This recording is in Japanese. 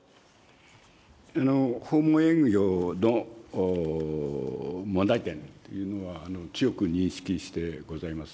訪問営業の問題点というのは、強く認識してございます。